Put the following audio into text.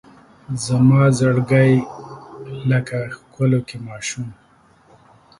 زما زړګی لکه ښکلوکی ماشوم